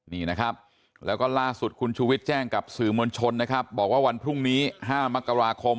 นี่นะครับแล้วก็ล่าสุดคุณชูวิทย์แจ้งกับสื่อมวลชนนะครับบอกว่าวันพรุ่งนี้๕มกราคม